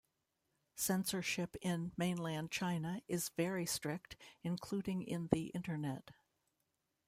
Censorship in Mainland China is very strict, including in the Internet.